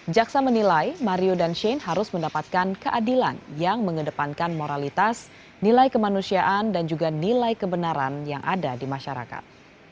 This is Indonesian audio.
jaksa menilai mario dan shane harus mendapatkan keadilan yang mengedepankan moralitas nilai kemanusiaan dan juga nilai kebenaran